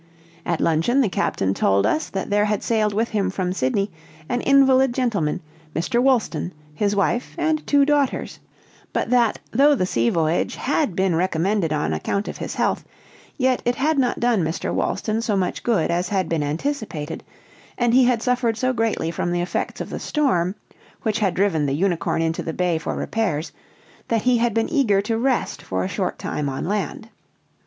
At luncheon the captain told us that there had sailed with him from Sydney an invalid gentleman, Mr. Wolston, his wife, and two daughters; but that, though the sea voyage had been recommended on account of his health, yet it had not done Mr. Wolston so much good as had been anticipated, and he had suffered so greatly from the effects of the storm, which had driven the Unicorn into the bay for repairs, that he had been eager to rest for a short time on land.